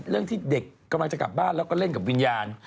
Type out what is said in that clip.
เรื่องที่เด็กกำลังจะกลับบ้านแล้วก็เล่นกับวิญญาณ